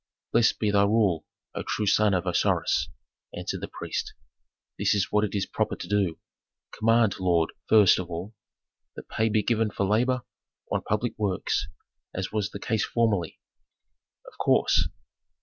"Blessed be thy rule, O true son of Osiris," answered the priest. "This is what it is proper to do: Command, lord, first of all, that pay be given for labor on public works, as was the case formerly " "Of course."